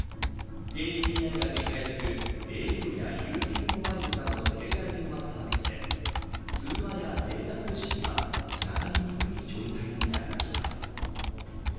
ＫＤＤＩが展開するａｕやＵＱモバイルなどの携帯電話サービスで通話やデータ通信がつながりにくい状態になりました。